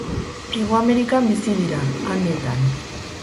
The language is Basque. Hego Amerikan bizi dira, Andeetan.